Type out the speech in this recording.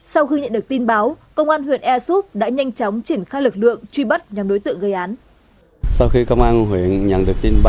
sau khi nhận được tin báo công an huyện ea súp đã nhanh chóng triển khai lực lượng truy bắt nhóm đối tượng gây án